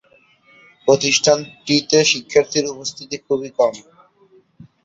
প্রতিষ্ঠানটিতে শিক্ষার্থীর উপস্থিতি খুবই কম।